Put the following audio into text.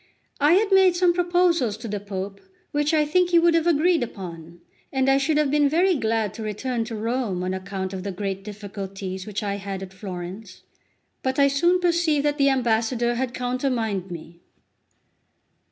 I had made some proposals to the Pope, which I think he would have agreed upon, and I should have been very glad to return to Rome on account of the great difficulties which I had at Florence. But I soon perceived that the ambassador had countermined me.